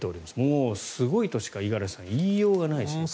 もうすごいとしか、五十嵐さん言いようがないですね。